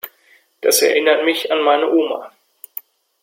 Das erinnert mich an meine Oma.